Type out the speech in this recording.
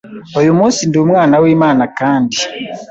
uyu munsi ndi umwana w’Imana kandi